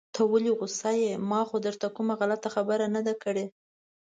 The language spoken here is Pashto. ته ولې غوسه يې؟ ما خو درته کومه غلطه خبره نده کړي.